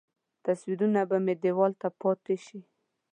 تصویرونه به مې دیوال ته پاتې شي.